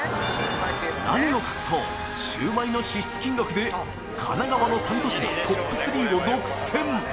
何を隠そうシュウマイの支出金額で神奈川の３都市がトップ３を独占